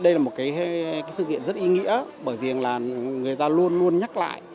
đây là một sự kiện rất ý nghĩa bởi vì người ta luôn luôn nhắc lại